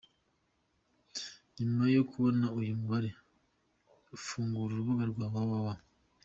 Nyuma yo kubona uyu mubare, fungura urubuga rwa www.